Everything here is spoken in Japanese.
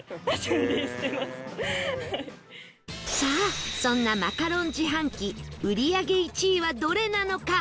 さあそんなマカロン自販機売り上げ１位はどれなのか？